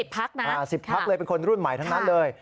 พักนะ๑๐พักเลยเป็นคนรุ่นใหม่ทั้งนั้นเลย